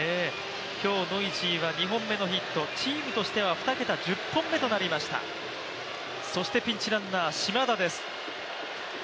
今日ノイジーは２本目のヒット、チームとしては２桁１０本目となりました、そしてピンチランナー・島田です。